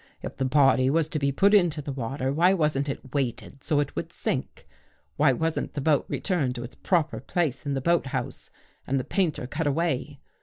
If the body was to be put into the water, why wasn't it weighted so it would sink? Why wasn't the boat returned to its proper place in the boathouse and the painter cut away?